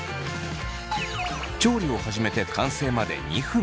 調理を始めて完成まで２分。